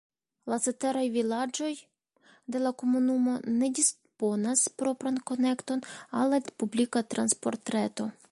La ceteraj vilaĝoj de la komunumo ne disponas propran konekton al la publika transportreto.